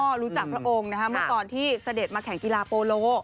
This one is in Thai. ก็รู้จักพระองค์นะคะเมื่อตอนที่เสด็จมาแข่งกีฬาโปโล